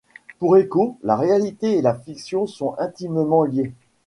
Pour Eco, la réalité et la fiction sont intimement liées.